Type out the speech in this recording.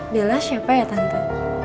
bella siapa ya tante